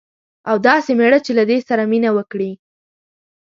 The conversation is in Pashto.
او داسي میړه چې له دې سره مینه وکړي